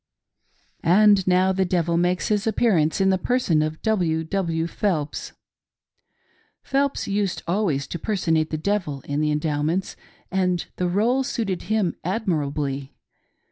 And now the devil makes his appearance in the person of W. W. Phelps. Phelps used always to personate the devil in the endowments, and the r6le suited him admirably.